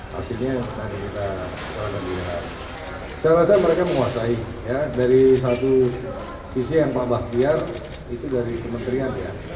hasilnya nanti kita saya rasa mereka menguasai dari satu sisi yang pak bahtiar itu dari kementerian ya